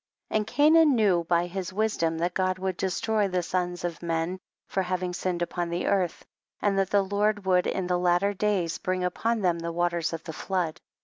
And Cainan knew by his wis dom that God would destroy the sons of men for having sinned upou earth, and that the Lord would in the lat ter days bring upon them the waters of the flood.